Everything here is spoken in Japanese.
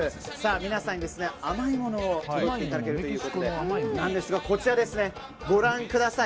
皆さんに甘いものを食べていただけるということでこちらです、ご覧ください。